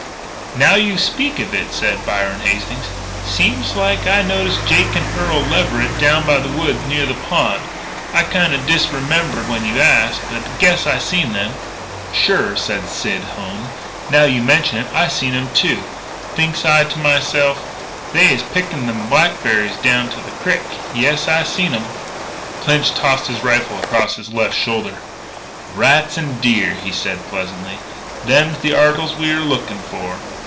"Now you speak of it," said Byron Hastings, "seems like I noticed Jake and Earl Leverett down by the woods near the pond. I kinda disremembered when you asked, but I guess I seen them." "Sure," said Sid Hone. "Now you mention it, I seen 'em, too. Thinks I to m'self, they is pickin' them blackberries down to the crick. Yas, I seen 'em." Clinch tossed his rifle across his left shoulder. "Rats an' deer," he said pleasantly. "Them's the articles we're lookin' for.